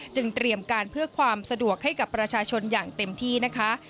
เตรียมการเพื่อความสะดวกให้กับประชาชนอย่างเต็มที่นะคะ